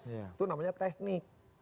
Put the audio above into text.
itu namanya teknik